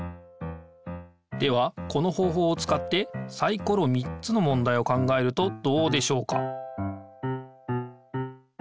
ではこの方ほうをつかってサイコロ３つのもんだいを考えるとどうでしょうか？